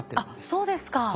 あっそうですか。